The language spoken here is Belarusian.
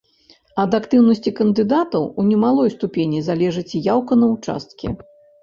Ад актыўнасці кандыдатаў у немалой ступені залежыць і яўка на ўчасткі.